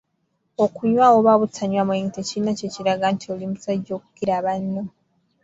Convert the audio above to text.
Okunywa oba obutanywa mwenge tekirina kye kiraga nti oli musajja okukira banno.